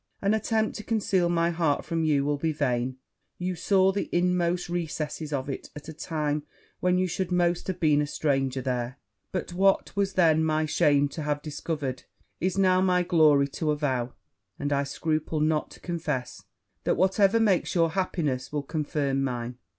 An attempt to conceal my heart from you will be vain you saw the inmost recesses of it at a time when you should most have been a stranger there: but what was then my shame to have discovered, is now my glory to avow; and I scruple not to confess, that whatever makes your happiness will confirm mine.